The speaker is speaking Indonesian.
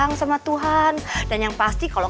nggak telepon dulu